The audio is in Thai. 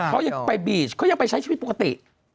เขายังไปบีชเขายังไปใช้ชีวิตปกติ